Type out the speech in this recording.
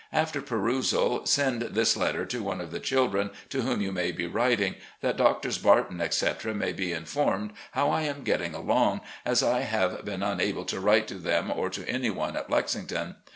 After perusal, send this letter to one of the children to whom you may be writing, that Doctors Barton, etc., may be informed how I am getting along, as I have been unable to write to them or to any one at Lexington.